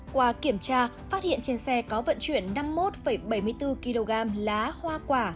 qua kiểm tra phát hiện trên xe có vận chuyển năm mươi một bảy mươi bốn kg lá hoa quả